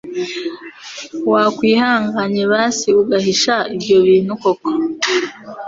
wakwihanganye basi ugahisha ibyo bintu koko